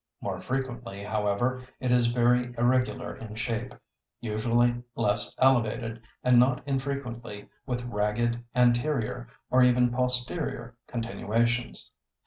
More frequently, however, it is very irregular in shape, usually less elevated, and not infrequently with ragged anterior, or even posterior continuations."